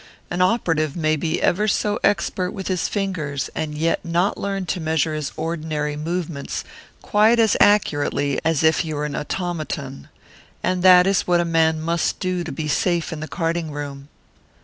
An operative may be ever so expert with his fingers, and yet not learn to measure his ordinary movements quite as accurately as if he were an automaton; and that is what a man must do to be safe in the carding room."